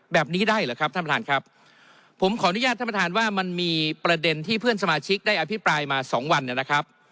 แบบนี้ได้เหรอครับท่านประธานครับผมขออนุญาตท่านประธานว่ามันมีประเด็นที่เพื่อนสมาชิกได้อภิปรายมาสองวันเนี่ยนะครับ